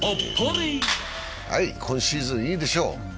今シーズンいいでしょう。